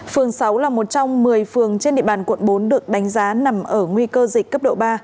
phường sáu là một trong một mươi phường trên địa bàn quận bốn được đánh giá nằm ở nguy cơ dịch cấp độ ba